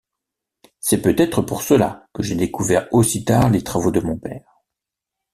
C’est peut-être pour cela que j’ai découvert aussi tard les travaux de mon père.